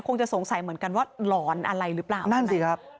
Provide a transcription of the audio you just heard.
คงจะสงสัยเหมือนกันว่าหลอนอะไรหรือเปล่านั่นสิครับ